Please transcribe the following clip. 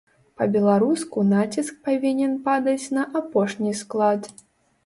Па-беларуску націск павінен падаць на апошні склад.